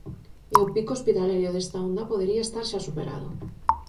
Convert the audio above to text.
E o pico hospitalario desta onda podería estar xa superado.